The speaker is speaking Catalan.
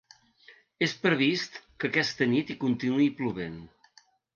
És previst que aquesta nit hi continuï plovent.